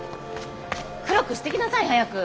黒くしてきなさい早く。